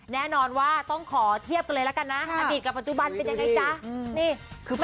แน่นอนว่าต้องขอเทียบกันเลยละกันนะอดีตกับปัจจุบันเป็นยังไงจ๊ะ